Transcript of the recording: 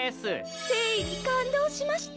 誠意に感動しました。